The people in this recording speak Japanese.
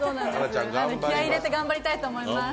気合い入れて頑張りたいと思います。